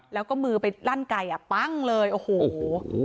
แล้วก็มือไปลั่นไก่อ่ะปั้งเลยโอ้โห